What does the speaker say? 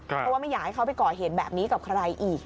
เพราะว่าไม่อยากให้เขาไปก่อเหตุแบบนี้กับใครอีก